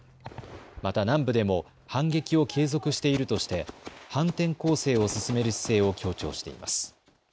また南部でも反撃を継続しているとして反転攻勢を進める姿勢を強調しています。